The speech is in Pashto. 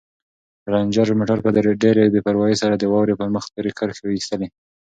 رنجر موټر په ډېرې بې پروايۍ سره د واورې پر مخ تورې کرښې ایستلې.